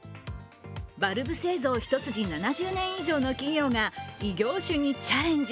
バルブ製造一筋７０年以上の企業が異業種にチャレンジ。